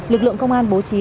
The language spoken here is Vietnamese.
lực lượng công an bố trí